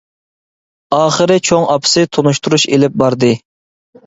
ئاخىرى چوڭ ئاپىسى تونۇشتۇرۇش ئېلىپ باردى.